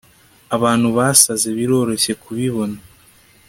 abantu basaze biroroshye kubibona